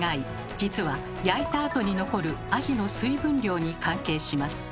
実は焼いたあとに残るアジの水分量に関係します。